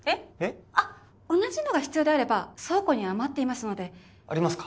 あッ同じのが必要であれば倉庫に余っていますのでありますか？